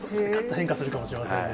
変化するかもしれませんね。